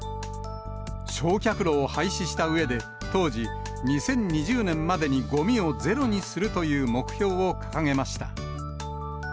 焼却炉を廃止したうえで当時、２０２０年までにごみをゼロにするという目標を掲げました。